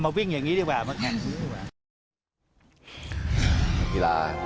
มาวิ่งอย่างนี้ดีกว่า